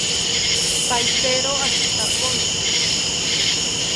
Pahitero ashitakontzi